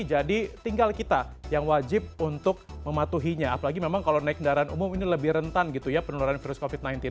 jadi tinggal kita yang wajib untuk mematuhinya apalagi memang kalau naik kendaraan umum ini lebih rentan gitu ya penularan virus covid sembilan belas